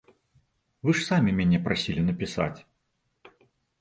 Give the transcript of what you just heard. Вы ж самі мяне прасілі напісаць?